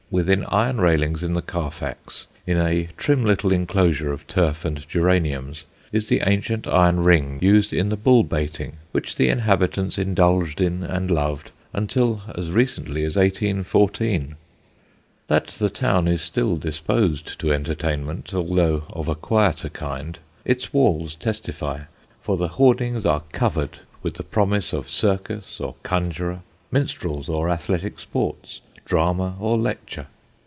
Within iron railings in the Carfax, in a trim little enclosure of turf and geraniums, is the ancient iron ring used in the bull baiting which the inhabitants indulged in and loved until as recently as 1814. That the town is still disposed to entertainment, although of a quieter kind, its walls testify; for the hoardings are covered with the promise of circus or conjuror, minstrels or athletic sports, drama or lecture.